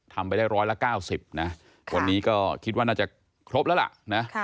ทำไปได้๑๐๐ละ๙๐วันนี้ก็คิดว่าน่าจะครบแล้ว